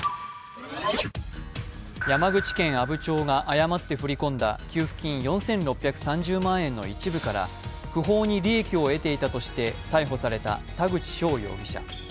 山口県阿武町が誤って振り込んだ給付金４６３０万円の一部から不法に利益を得ていたとして逮捕された田口翔容疑者。